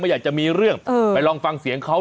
อยากจะมีเรื่องไปลองฟังเสียงเขา